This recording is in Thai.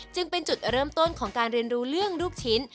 จึงเป็นจุดเริ่มต้นของการเรียนรู้เรื่องลูกชิ้น